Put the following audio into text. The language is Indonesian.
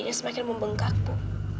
biayanya semakin membengkak ibu